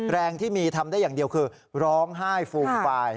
แรงที่มีทำได้อย่างเดียวคือร้องไห้ฟูมฟาย